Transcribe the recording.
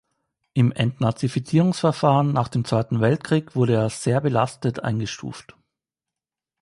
Im Entnazifizierungsverfahren nach dem Zweiten Weltkrieg wurde er als „sehr belastet“ eingestuft.